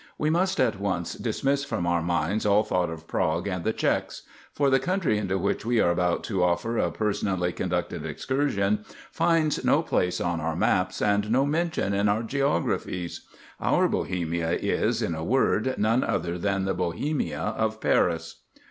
We must at once dismiss from our minds all thought of Prague and the Czechs; for the country into which we are about to offer a personally conducted excursion finds no place on our maps and no mention in our geographies. Our Bohemia is, in a word, none other than the Bohemia of Paris.